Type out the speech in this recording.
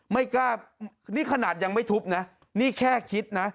ไม่กล้านี่ขนาดยังไม่ทุบนะนี่แค่คิดนะ